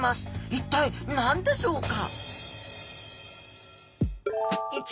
一体何でしょうか？